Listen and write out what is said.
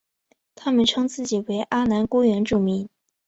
他们称自己为阿男姑原住民。